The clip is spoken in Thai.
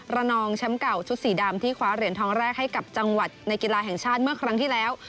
นองแชมป์เก่าชุดสีดำที่คว้าเหรียญทองแรกให้กับจังหวัดในกีฬาแห่งชาติเมื่อครั้งที่แล้ว